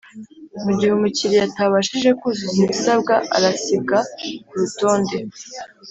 Mu gihe umukiriya atabashije kuzuza ibisabwa arasibwa kurutonde.